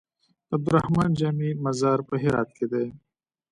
د عبدالرحمن جامي مزار په هرات کی دی